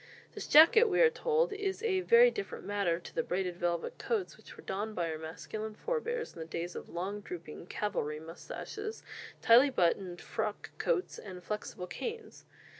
This jacket, we are told "is a very different matter to the braided velvet coats which were donned by our masculine forbears in the days of long drooping cavalry moustaches, tightly buttoned frock coats, and flexible canes.